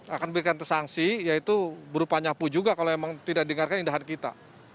akan diberikan tesanksi yaitu berupa nyapu juga kalau memang tidak dengarkan indahan kita